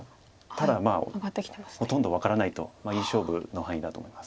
ただほとんど分からないといい勝負の範囲だと思います。